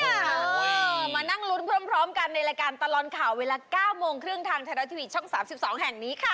มานั่งลุ้นพร้อมกันในรายการตลอดข่าวเวลา๙โมงครึ่งทางไทยรัฐทีวีช่อง๓๒แห่งนี้ค่ะ